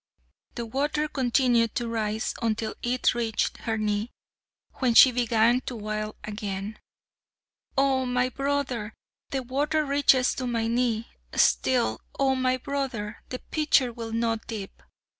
The water continued to rise until it reached her knee, when she began to wail again: "Oh! my brother, the water reaches to my knee, Still, Oh! my brother, the pitcher will not dip."